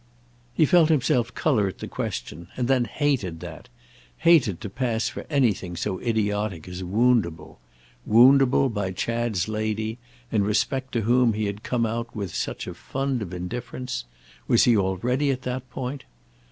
He felt himself colour at the question, and then hated that—hated to pass for anything so idiotic as woundable. Woundable by Chad's lady, in respect to whom he had come out with such a fund of indifference—was he already at that point?